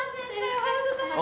おはようございます。